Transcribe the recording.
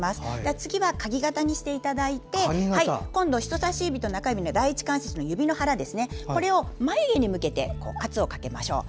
次はかぎ型にして人さし指と中指の第１関節の指の腹を眉に向けて圧をかけましょう。